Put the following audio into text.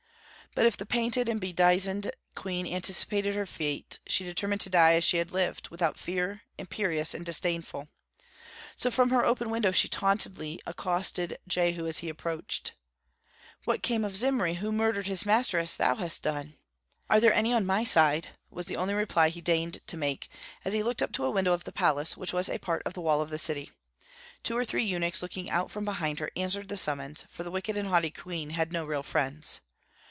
But if the painted and bedizened queen anticipated her fate, she determined to die as she had lived, without fear, imperious, and disdainful. So from her open window she tauntingly accosted Jehu as he approached: "What came of Zimri, who murdered his master as thou hast done?" "Are there any on my side?" was the only reply he deigned to make, as he looked up to a window of the palace, which was a part of the wall of the city. Two or three eunuchs, looking out from behind her, answered the summons, for the wicked and haughty queen had no real friends.